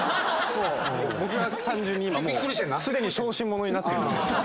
僕が単純に今すでに小心者になっているので。